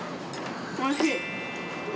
おいしい。